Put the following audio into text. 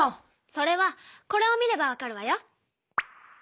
それはこれを見ればわかるわよ。